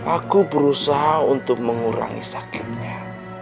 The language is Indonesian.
aku berusaha untuk mengurangi sakitnya